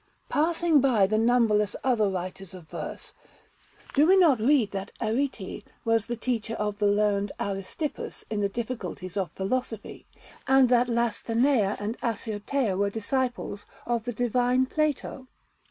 Passing by the numberless other writers of verse, do we not read that Arete was the teacher of the learned Aristippus in the difficulties of philosophy, and that Lastheneia and Assiotea were disciples of the divine Plato?